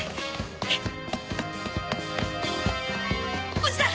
おじさん！